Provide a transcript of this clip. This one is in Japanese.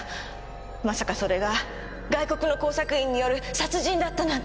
まさかそれが外国の工作員による殺人だったなんて！